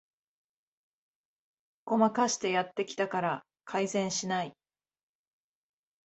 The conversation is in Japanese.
ごまかしてやってきたから改善しない